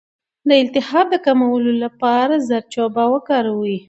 د التهاب د کمولو لپاره زردچوبه وکاروئ